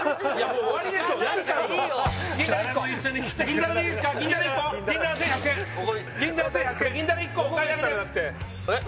銀だら１個お買い上げです